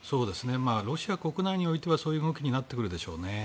ロシア国内においてはそういう動きになっていくでしょうね。